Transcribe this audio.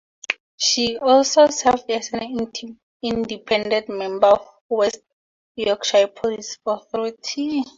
She also served as an independent member of the West Yorkshire Police Authority.